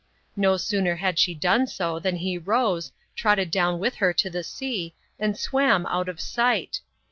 No sooner had she done so than he rose, trotted down with her to the sea, and swam out of sight.